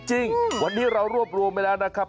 จริงวันนี้เรารวบรวมไปแล้วนะครับ